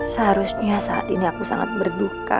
seharusnya saat ini aku sangat berduka